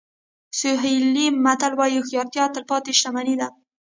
سوهیلي متل وایي هوښیارتیا تلپاتې شتمني ده.